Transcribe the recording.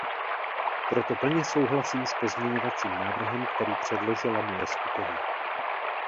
Proto plně souhlasím s pozměňovacím návrhem, který předložila moje skupina.